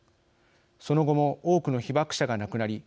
その後も多くの被爆者が亡くなり